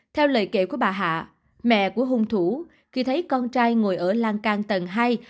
theo lời kể của bà hạ mẹ của hung thủ khi thấy con trai ngồi ở lan can tầng hai